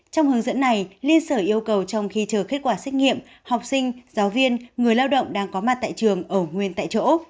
trong hướng dẫn này liên sở yêu cầu trong khi chờ kết quả xét nghiệm học sinh giáo viên người lao động đang có mặt tại trường ở nguyên tại chỗ